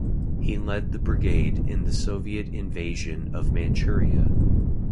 He led the brigade in the Soviet invasion of Manchuria.